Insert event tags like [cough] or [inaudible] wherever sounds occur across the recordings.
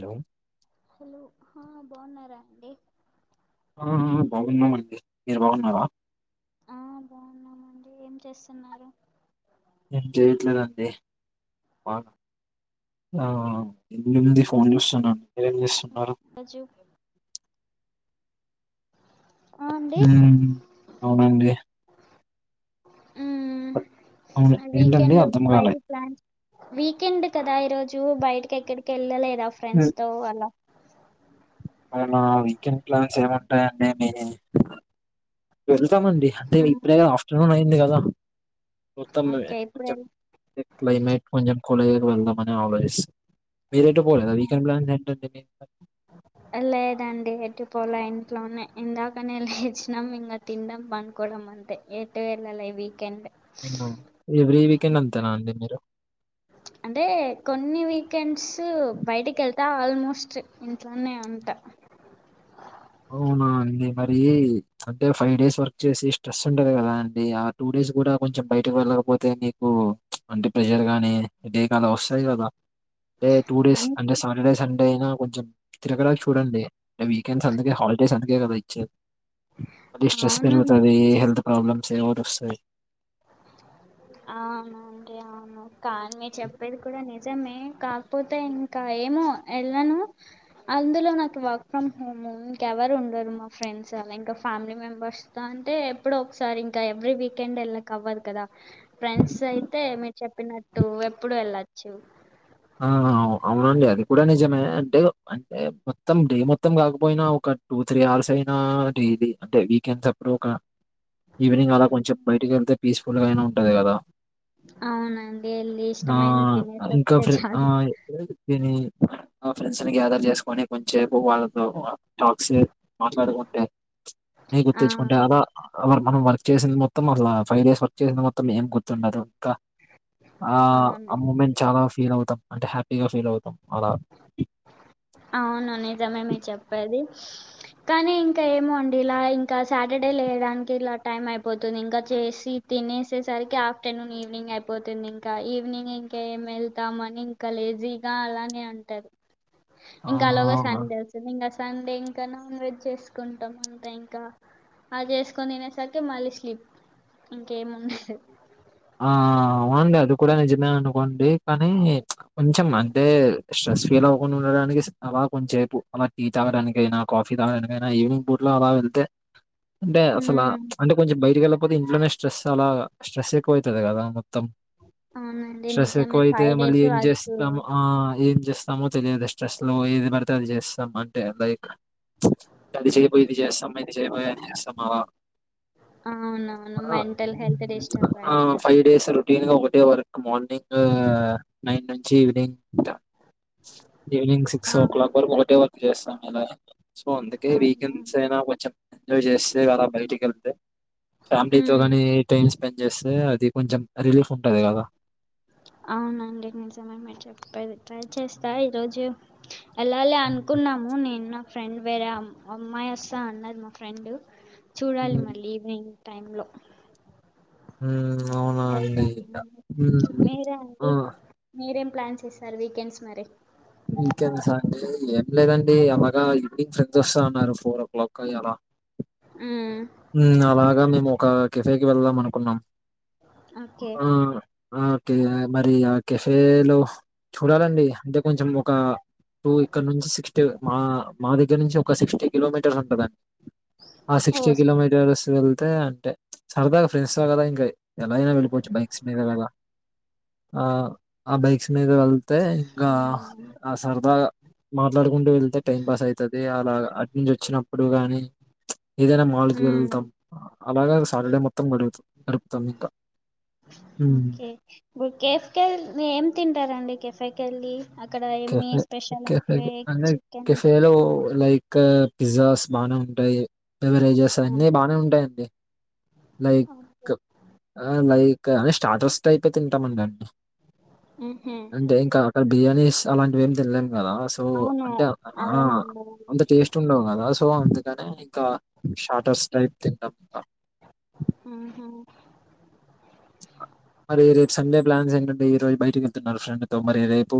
చో హలో హా బాగున్నారా అండి ఆ ఆ బాగున్నామండి మీరు బాగున్నారా ఆ బావున్మమండి ఏం చేస్తున్నారు ఏం జేయట్లేదండి మా ఆ ఏముంది ఫోన్ చూస్తున్నా మీరేం చేస్తున్నారు అజ్జు ఆ ఉమ్ అవునండి ఉ అవును ఏంటండి వీకెండ్ అర్థం కాలే బయటికి ప్లాన్ వీకెండ్ కదా ఈరోజు బయటకి ఎక్కడికి వెళ్ళలేదా ఫ్రెండ్స్తో అలా. అవునా వీకెండ్ ప్లాన్స్ ఏముంటాయండి మీవి వెళ్తామండి అదె ఉమ్, ఇప్పుడే గదా ఆఫ్టర్నూన్ అయింది కదా మొత్తం మే ఓకే ఇప్పుడు చం. ఈ క్లైమేట్ కొంచెం కూల్ అయ్యాక వెళ్దామని ఆలోచిస్ మీరు ఎటు పోలేదా వికెండ్ ప్లాన్స్ ఏంటంటే మీక్ లేదండి ఎటుపోలా ఇంట్లోనే ఇందాకనే యెల్లిచినాం ఇంగ తిండం పండకోవడం అంతే ఎటు వెళ్లలే ఈ వీకెండ్ వునా ఎవ్రీ వీకెండ్ అంతేనా అండి మీరు అంటే కొన్ని వీకెండ్సు బయిటికి వెల్త్ అ ఆల్మోస్ట్ ఇంట్లోనే ఉంటా అవునా అండి మరి అంటే ఫై డేస్ వర్క్ చేసి స్ట్రెస్ ఉంటది కదా అండి ఆ టూ డేస్ కూడా కొంచెం బయటకి వెళ్ళకపోతే మీకు అంటే ప్రెషర్ గానీ హెడేక్ అలా వస్తాయి కదా అంటే టూ అ డేస్ అంటే శాటర్డే సండే అయినా కొంచెం తిరగడానికి చూడండి అ వీకెండ్స్ అందుకే హాలిడేస్ అందుకే గాదా ఇచ్చేది మళ్ళీ స్ట్రెస్ అవును పెరుగుతాది హెల్త్ ప్రాబ్లమ్స్ ఏదో ఒకటి వస్తాయి అవునండి అవును కానీ మీ చెప్పేది కూడా నేను నిజమే కాకపోతే ఇంకా ఏమో ఎళ్ళను అందులో నాకు వర్క్ ఫ్రమ్ హోము ఇంకెవరు ఉండరు మా ఫ్రెండ్స్ అలా ఇంకా ఫ్యామిలీ మెంబర్స్ దాంటే ఎప్పుడో ఒకసారి ఇంకా ఎవ్రీ వీకెండ్ ఎళ్ళ అవ్వదు కదా ఫ్రెండ్స్ అయితే మీరు చెప్పినట్టు ఎప్పుడు వెళ్లచ్చు ఆ అవునండి అది కూడా నిజమే అంటే అంటే మొత్తం డే మొత్తం కాకపోయినా ఒక టూ త్రీ అవర్స్ అయినా డైలీ అంటే వీకెండ్స్ అప్పుడు ఒక ఈవినింగ్ అలా కొంచెం బయటికి వెళ్తే పీస్ఫుల్ గా అయినా ఉంటాది కదా అవునండి ఎల్లి ఇష్టమైనంది తిన్నెసస్తే చాలు తినేది తిని ఆ ఫ్రెండ్స్ ని గ్యాదర్ చేసుకొని కొంచసేపు వాళ్ళతో అ టాక్ సే మాట్లాడుకుంటే నే ఆ గుర్తుతెచ్చుకుంటే అలా మనం వర్క్ చేసింది మొత్తం అసలా ఫైవ్ డేస్ వర్క్ చేసింది మొత్తం ఏం గుర్తుండదు ఇంకా ఆ ఆ అవునండి మూమెంట్ చాలా ఫీల్ అవుతాం అంటే హ్యాపీగా ఫీల్ అవుతాం అలా అవును నిజమే మీరు చెప్పేది కానీ ఇంకా ఏమొండిలా ఇంకా సాటర్డే లేయడానికి ఇలా టైం అయిపోతుంది ఇంకా చేసి తినేసేసరికి ఆఫ్టర్ నూన్ ఈవినింగ్ అయిపోతుంది ఇంకా ఈవినింగ్ ఇంకా ఏం ఎళ్తామని ఇంకా లేజీగా అలానే ఉంటారు ఇంకా అలోగ ఆహ్, సండే అస్ మేమి ఇంకా సండే ఇంకా నాన్ వెజ్ చేసుకుంటాం అంతే ఇంకా అది చేసుకొని తిన్నెసరికి మళ్ళీ స్లిప్ ఇంకేం ఉండదు ఆ అవునండి అది కూడా నిజమే అనుకోండి కానీ కొంచెం అంటే స్ట్రెస్ ఫీల్ అవ్వకుండా ఉండడానికి అలా కొంచం సేపు అలా టీ తాగడానికైనా కాఫీ తాగడానికైనా ఈవినింగ్ పూ లాగా వెళ్తే అంటే అసలు ఆ హ్మ్. అంటే కొంచెం బయట ఎళ్ళకపోతే ఇంట్లోనే స్ట్రెస్ అలా స్ట్రెస్ పోయితది కదా మొత్తం అవునండి స్ట్రెస్ నిజమే ఎక్కువైతే మళ్ళీ డేస్ ఏం వర్క్. చేస్తాం ఆ ఏం చేస్ స్తామో తెలియదు స్ట్రెస్ లో ఏది పడితే అది చేస్తాం అంటే లైక్ అది జే పోని ఇది హ్మ్. చేస్తామా ఇది చేస్తాం బోయి అని చేస్తావా అవునవును మెంటల్ హెల్త్ డిస్టర్బ్ ఆ! ఆయితది డేస్ రొటీన్ గా ఒకటే వరకు మార్నింగ్ నైన్ నుంచి ఈవినింగ్ ఉంటా ఈవినింగ్ సిక్ క్స్ ఆ! క్లాక్ వరకు ఒకటే వర్క్ చేస్తాం ఇలా సో అందుకే అవునా వీకెండ్స్ అయినా కొంచెం ఎంజాయ్ చేస్తే అలా బయటికి వెళ్తే ఫ్యామిలీతోో ఉమ్ కాని టైం స్పెండ్ చేస్తే అది కొంచెం రిలీఫ్ ఉంటాది గాదా అవునండి నిజమే మీరు చెప్పేది ట్రై చేస్తా ఈ రోజు వెళ్లాాలి అనుకున్నాము నేను నా ఫ్రెండ్ వేరేమ్ అమ్మాయి ఆసాను అన్నారు మా ఫ్రెండు చూడాలి ఉమ్ మళ్ళీ ఈవినింగ్ టైంలో ఉ అవును వెళ్తాలేండి ఆ మీరేమండి మీరేం ప్లాన్ చేస్తారు వీకెండ్స్ మరి ఇకెంది సార్ ఏం లేదండి ఎనగా ఈవినింగ్ ఫ్రెండ్స్ వస్తా అన్నారు ఫోర్ ఓ క్లాక్ అలా ఉమ్ ఉమ్ అలాగా మేము ఒక కిఫేకి వెళ్దాం అనుకున్నాం ఓకే ఉమ్ ఆ ఓకే మరి ఆ కెఫేలో చూడాలండి అంటే కొంచం ఒక [unintelligible] ఇపుడు ఇక్కడ నుంచి సిక్స్టీ మా మా దగ్గర నుంచి ఒక సిక్స్టీ కిలోమీటర్స్ ఉంటదండి ఆ ఓ సిక్స్టీ కిలోమీటర్స్ వెళ్తే అంతే సరదాగా ఫ్రెండ్స్ తో కదా ఇంకా ఎలాయినా వెళ్ళిపోవచ్చు బైక్స్ మీద అలా ఆ ఆ బైక్స్ మీద వెళ్తే ఇంకా అవునా ఆ సరదాగా మాట్లాడుకుంటూ వెళ్తే టైం పాస్ అయితది అలాగా అటు నుంచి వచ్చినప్పుడు గాని ఏదైనా మాల్ కి ఉమ్ వెళతాం అలాగా సాటర్డే మొత్తం గడుపుత గడుపుతాం ఇంకా హ్మ్. ఓకే ఇప్పుడు కేెఫకె వెళ్లి ఏం తింటారండి కేెఫేకి వెళ్ళి అక్కడ ఏమి కఫే స్పెషల్ కెఫే అంటే అనే చికెన్ కెఫేలో లైక్ ఇంకా పిజ్జాస్ బానే ఉంటాయి అవరేజెస్ అన్ని బానే ఉంటాయి లైక్ ఓకే లైక్ అని స్టార్టస్ట్ టైప్ తింటాం అన్ని ఉహు అంటే ఇంకా అక్కడ బిర్యానీస్ అలాంటివి ఏమి తినలేం కదా తో అవును అంటే ఆ అవేమి ఉండవు అంతా టేస్ట్ ఉండవు కదా సో అందుకనే ఇకా స్టాటస్ టైప్ తింటాం అట్లా ఉహు మరి రేపు సండే ప్లాన్స్ ఏంటంటే ఈ రోజు బయటకి వెళ్తున్నారు ఫ్రెండ్ తో మరి రేపు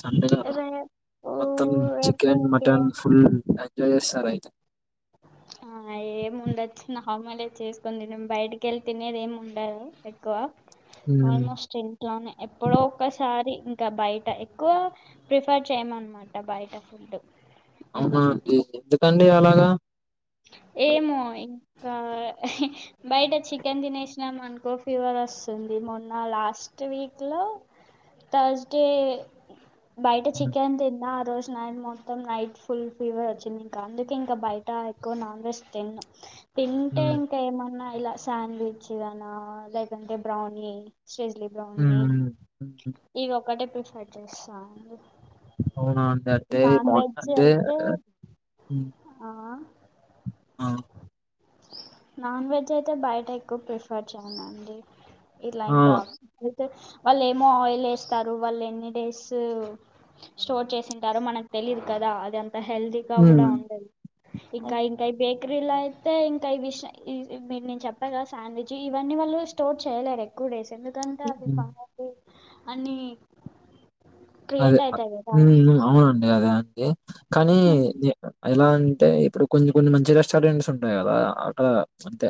సండే గదా రేపు మొత్తం రేపు చికెన్ మటన్ ఇంకేం ఫుల్ ఎంజాయ్ చేస్తారు అయితే ఆ ఏము ఉండొచ్చు నర్మలే చేసుకుని బయటకి వెళ్లి తినేది ఏమి ఉండదు ఎక్కువ హ్మ్. ఆల్మోస్ట్ ఇంట్లోనే ఎప్పుడో ఒకసారి ఇంకా బయట ఎక్కువ ప్రిఫర్ చేయ్యమన్నమాట బయట ఫుడ్ ఇంకా అవునా అండి ఎందుకండి అలాగా ఏమో ఇంకా బయట చికెన్ తినేసినాము అనుకో ఫీవర్ వస్తుంది మొన్న లాస్ట్ వీక్ లో తర్స్ డే బయట హ్మ్. చికెన్ తిన్నా ఆ రోజు నైట్ మొత్తం మొత్తం నైట్ ఫుల్ ఫీవర్ వచ్చింది ఇంకా అందుకే ఇంకా బయట ఎక్కువ నాన్ వెజ్ తిను తింటే హ్మ్. ఇంకా ఏమన్నా ఇలా శాండ్విచ్ గానో లేదంటే బ్రౌనీ చీలీ బ్రౌని హ్మ్. హ్మ్. హ్మ్. ఇవి ఒకటే ప్రిఫర్ చేస్తా అండి అవునా అండి అంటే మ అంటే అయితే ఆ ఆ నాన్ వెజ్ అయితే బయట ఎక్కువ ప్రిఫర్ చేయనండి ఇలా ఆ! ఇంకా అయితే వాళ్ళు ఏమో ఆయిల్ వేస్తారు వాళ్ళు ఎన్ని డేసు స్టోర్ చేసి ఉంటారు మనకు తెలీదు కదా అది అంత హెల్దీ అలా కూడా హ్మ్. ఉండదు ఇంకా అవును. ఇంకా బేకరీలో అయితే ఇంకా విష్ ఇవన్నీ నేను చెప్పా కదా శాండ్విచ్ ఇవన్నీ వాళ్ళు స్టోర్ చేయలేరు ఇప్పుడు రైస్ ఎందుకంటా అవి హ్మ్. పడి అని అదే ఉమ్ అవునండి అదే అండి కానీ ఉమ్. అయినా అంటే ఇప్పుడు కొన్ని కొన్ని మంచి రెస్టారెంట్స్ ఉంటాయి కదా అటా అంతే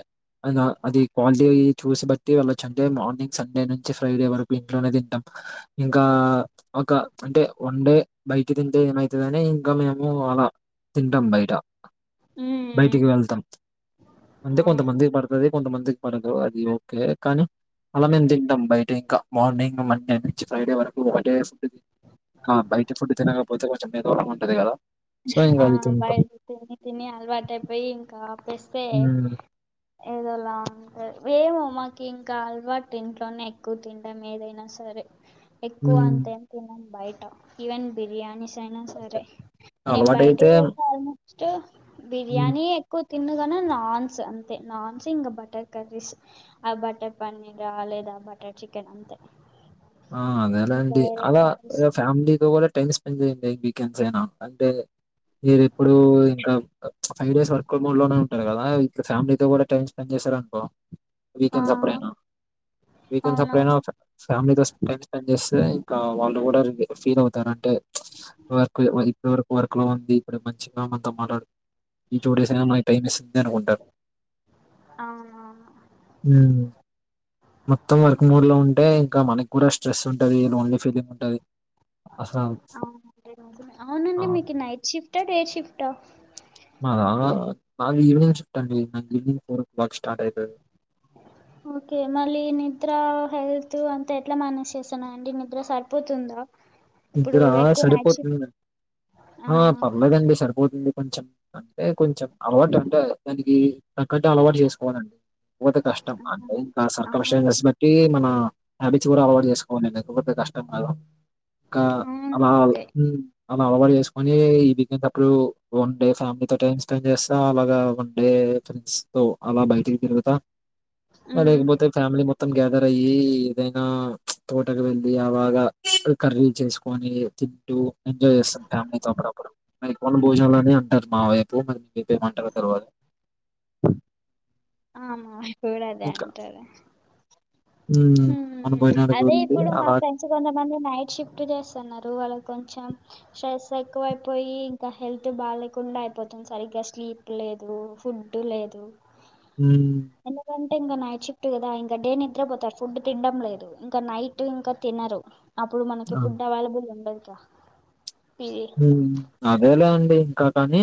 అదా అది క్వాలిటీ అయ్యి చూసి బట్టి వెళ్లొచ్చు అంటే మార్నింగ్ సండే నుంచి ఫ్రైడే వరకు ఇంట్లోనే తింటాం ఇంకా ఒక అంటే వన్ డే బయకి తింటే ఏమైతుందని ఇంకా మేము అలా తింటాం బయట ఉమ్, బయటికి వెళ్తాం అంటే అవును కొంతమంది పడు దే కొంత మందికి పడదు అది ఓకే కానీ అలా మేము తింటాం బయట ఇంకా మార్నింగ్ మండే నుంచి ఫ్రైడే వరకు ఒకటే ఆ బయటి ఫుడ్ తినకపోతే కొంచెం ఏదోలా ఉంటది కదా సో ఇంకా ఆ అది తింటాం బయట తిని తిని అలవాటైపోయి ఇంకా ఆపేస్తే ఉమ్ ఏదోలా ఏమో మాకి ఇంకా అలవాటు ఇంట్లోనే ఎక్కువ తింటాం ఏదైనా సరే ఎక్కువ ఉమ్ అంతేం తినను బయట ఈవెన్ బిర్యానీస్ అయినా సరే నేను బయటికి అలవాటైతే వెళ్తే ఆల్మోస్ట్ ఉమ్. బిర్యానీ ఎక్కువ తిననుగానే నాన్స్ అంతే నాన్స్ ఇంకా బటర్ కర్రీస్ ఆ బటర్ పన్నీర్ ఆ లేదా బటర్ చికెన్ అంతే ఆ ఇంకా అదేలేండి వేరే అలా కర్రీస్ ఓ ఫ్యామిలీ ఓ అలా టైం స్పెండ్ చేయండి వీకెండ్స్ అయిన మీరు ఎప్పుడు ఇంకా ఫైవ్ డేస్ వర్క్ మోడ్ లోనే ఉంటారు కదా ఇ ఫ్యామిలీతో కూడా టైం స్పెండ్ చేసారనుకో ఆ వీకెండ్స్ అప్పుడైనా వీకెండ్స్ అప్పుడైనా అవునవును ఒక ఫ్యామిలీతో టైమ్ స్పెండ్ చేస్తే ఇంకా వాళ్ళు కూడా ఫీల్ అవుతారం అంటే వర్క్ ఇప్పటి వరకు వర్క్ లో ఉంది అప్పుడే మంచిగా మనతో మాట్లాడు ఈ టుడేస్ ఐనా మనకి టైం ఇస్తుంది అనుకుంటారు అవును హ్మ్ మొత్తం వర్క్ మోడ్ లో ఉంటే ఇంకా మనకి కూడా స్ట్రెస్ ఉంటది లోన్లీ ఫీలింగ్ ఉంటది అసలు అవునండి ఆహ్, మీకు నైట్ షిఫ్టా డే షిఫ్టా మాదా మాది ఈవినింగ్ షిఫ్ట్ అండి నాకు ఈవినింగ్ ఫోర్ కి వర్క్ స్టార్ట్ అవుతది ఓకే మళ్ళీ నిద్ర హెల్త్ అంతా ఎట్లా మేనేజ్ చేస్తున్నా అండి నిద్ర సరిపోతుందా ఇప్పుడు నిద్దరా ఎక్కువ నైట్ షిఫ్ట్ సరిపోతుంది ఆ పర్లేదండి సరి పోతుంది కొంచెం అంటే కొంచెం అలవాటు అంటే దానికి తగ్గట్టు అలవాటు చేసుకోవాలండి బోతే కష్టం ఆ టైం అవును [unintelligible] టే మన హ్యాబిట్స్ కూడా అలవాటు చేసుకోవాలీ లేకపోతే కష్టం కాదు ఇకా అవును అలా అంతే హ్మ్ అలా అలవాటు చేసుకొని ఈ వీకెండ్స్ అప్పుడు వన్ డే ఫ్యామిలీ తో టైం స్పెండ్ చేస్తా అలాగా వన్ డే ఫ్రెండ్స్ తో అలా బైటికి తిరుగుతా ఇక ఉమ్ లేకపోతే ఫ్యామిలీ మొత్ మొత్తం గ్యాదర్ అయ్యి ఏదైనా తోటకు వెళ్ళి ఆ బాగా కర్రీలు చేసుకొని తింటూ ఎంజాయ్ చేస్తాం ఫ్యామిలీతో అప్పుడప్పుడు మరి వన భోజనాలని అంటారు మా వైపు మరి మీ వైపు ఏమంటారో తెల్వదు ఆ ఆ కూడా అదే ఇంకా అంటారు హ్మ్ వనభోజనాలకు అదే వెళ్ళి ఇప్పుడు మా అలా ప కొంతమంది నైట్ షిఫ్ట్ చేస్తున్నారు వాళ్ళకి కొంచెం స్ట్రెస్ ఎక్కువైపోయి ఇంకా హెల్త్ బాలేకుండా అయిపోతుంది సార్ ఇంకా స్లీప్ లేదు ఫుడ్ లేదు హ్మ్ ఎందుకంటే ఇంక నైట్ షిఫ్ట్ కదా ఇంక డే నిద్రపోతారు ఫుడ్ తినడం లేదు ఇంకా నైట్ ఇంకా తినరు అప్పుడు మనకి ఆ! ఫుడ్ అవైలబుల్ ఉండదుగా పీజీలో అదేలే అండి ఇంకా కానీ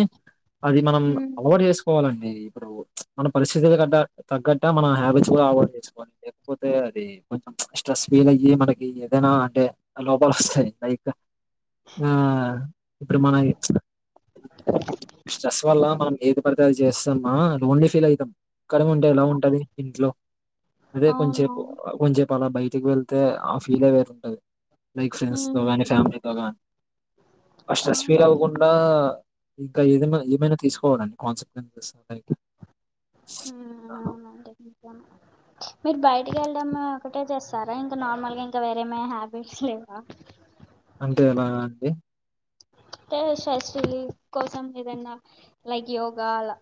అది మనం అలవాటు చేసు కోవాలండి ఇప్పుడు మన పరిస్థితులు తగ్గ తగ్గట్టే మన హ్యాబిట్స్ కూడా అలవాటు చేసుకోవాలి లేకపోతే అది కొంచెం స్ట్రెస్ ఫీల్ అయ్యి మనకి ఏదైనా అంటే లోపాలు వస్తాయి. ఆ ఇప్పుడు మన స్ట్రెస్ వల్ల. ఆ మనం ఏది పడితే అది చేస్తామా లోన్లీ ఫీల్ అయితం. ఒక్కలమే ఉంటే ఎలా ఉంటది ఇంట్లో అదే కొంచేపు అవునవును కొంచేపు. పాలా బయటకి వెళ్తే ఆ ఫీల్ ఏ వేరు ఉంటది లైక్ ఫ్రెండ్స్ తో గాని ఉమ్ ఫ్యామిలీ తో గాని. ఆ స్ట్రెస్ ఫీల్ అవునవును అవ్వకుండా ఇంకా ఏదన్నా ఏమైనా తీసుకోవాలండి కౌన్సి క్వెన్సెస్. ఆ అవునా అంటే ఎట్లా. మీరు బయటకి వెళ్లడం ఒకటే చేస్తారా ఇంకా నార్మల్ గా ఇంకా వేరేమి హ్యాబిట్స్ లేవా. అంటే ఎలా అండి. అంటే స్ట్రెస్ రిలీఫ్ కోసం ఏదన్నా లైక్ యోగా అలా.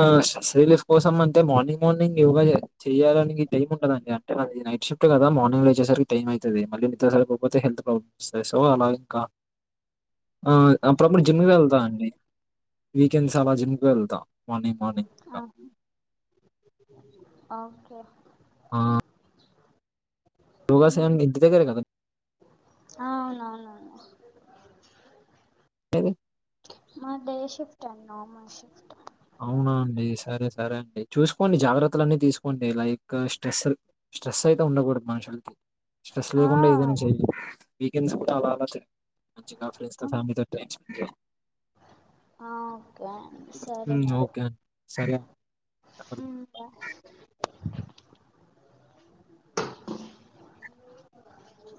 ఆ స్ట్రెస్ రిలీఫ్ కోసం అంటే మార్నింగ్ మార్నింగ్ యోగ చేయాల. చేయాలనికి టైం ఉండదండి అంటే అది నైట్ షిఫ్ట్ కదా మార్నింగ్ లో వచ్చేసరికి టైం అవుది మళ్లీ నిద్ర సరిగ్గా లేకపోతే హెల్త్ ప్రాబ్లం. సో అలాగే ఒక. ఆ అప్పుడప్పుడు జిమ్కి వెళ్తా అండి వీకెండ్స్ అలా జిమ్ క వెళ్తా మార్నింగ్ మార్నింగ్. ఆ ఇంకా. ఆ ఓకే ఓకే. ఆ. నువ్వు అసలు ఇంటి దగ్గరే కదా. ఆ అవున్ అవున్ అవును. [unintelligible] మాది డే షిఫ్ట్ అండి నార్మల్ షిఫ్ట్. అవునా అండి సరే సరే అండి చూసుకోండి జాగ్రత్తల అన్నీ తీసుకోండి లైక్ స్ట్రెస్. స్ట్రెస్ అయితే ఉండకూడదు మనుషులకి. స్ట్రెస్ లేకుండా ఏదైనా ఆ చెయ్ వీకెండ్స్ కూడా అలా అలా చేయ్. మంచిగా ఫ్రెండ్స్ తన ఫ్యామిలీతోనే టైం స్పెండ్ చెయ్. ఆ ఓకే సరే. సరే హ్మ్. మరి ఓకే అండి. సరే అండి. ఉమ్ బాయ్.